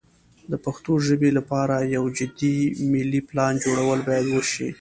د پښتو ژبې لپاره یو جدي ملي پلان جوړول باید وشي.